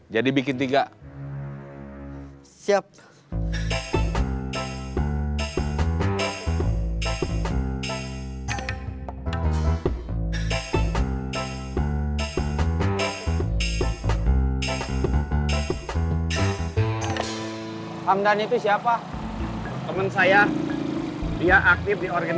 jadi bikin tiga